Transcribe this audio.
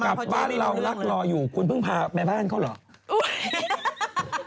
กลับบ้านเรารักรออยู่คุณเพิ่งพาแม่บ้านเขาเหรอ